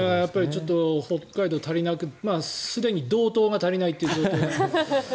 ちょっと北海道足りなくすでに道東が足りないという状況が。